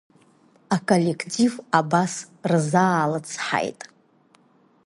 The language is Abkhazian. Аколлектив абас рзаалыцҳаит…